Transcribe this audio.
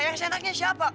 yang senaknya siapa